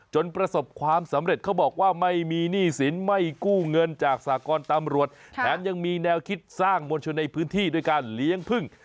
ประสบความสำเร็จเขาบอกว่าไม่มีหนี้สินไม่กู้เงินจากสากรตำรวจแถมยังมีแนวคิดสร้างมวลชนในพื้นที่ด้วยการเลี้ยงพึ่ง